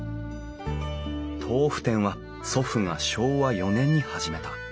豆腐店は祖父が昭和４年に始めた。